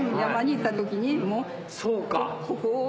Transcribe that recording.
そうか！